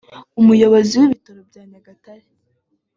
Umuyobozi w’Ibitaro bya Nyagatare